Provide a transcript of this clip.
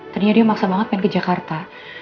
tadinya dia maksa banget pengen ke jakarta